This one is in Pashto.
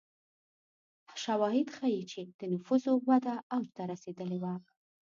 شواهد ښيي چې د نفوسو وده اوج ته رسېدلې وه.